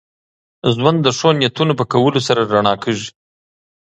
ژوند د ښو نیتونو په کولو سره رڼا کېږي.